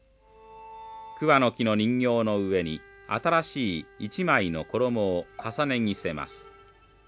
桑の木の人形の上に新しい一枚の衣を重ね着せます。